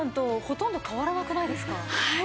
はい！